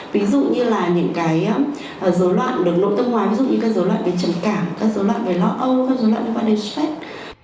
ví dụ như là những cái dối loạn đường nội tâm ngoài ví dụ như các dối loạn về trầm cảm các dối loạn về lo âu các dối loạn về văn đề sách